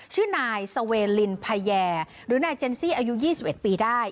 ชื่อนายสเวลินพแยหรือนายเจนซี่อายุ๒๑ปีได้